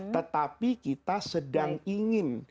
tetapi kita sedang ingin